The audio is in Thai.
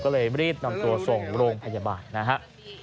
ก็เลยรีบนำตัวส่งโรงพยาบาลนะครับ